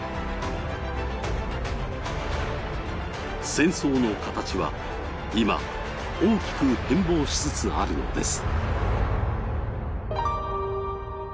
戦争の形は今、大きく変貌しつつあるのです。